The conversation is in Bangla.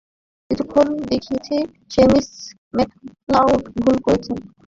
কিন্তু এখন দেখছি যে, মিস ম্যাকলাউড ভুল করেছেন।